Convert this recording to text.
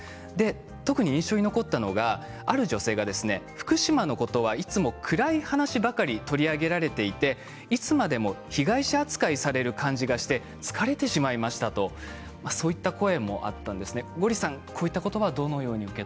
特に印象に残ったのがある女性が福島のことはいつも暗い話ばかり取り上げられていていつまでも被害者扱いされる感じがして疲れてしまいましたとそういった声もありました。